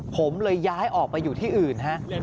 ผมเลยย้ายออกไปอยู่ที่อื่นฮะ